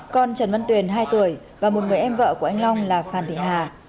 con trần văn tuyền hai tuổi và một người em vợ của anh long là phan thị hà